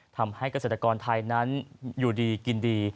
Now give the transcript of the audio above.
ทำให้เกษตรกรไทยนั้นอยู่ดีกินดี